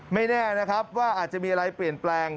ไม่แน่นะครับว่าอาจจะมีอะไรเปลี่ยนแปลง